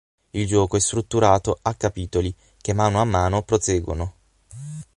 Il gioco è strutturato "a capitoli", che mano a mano proseguono.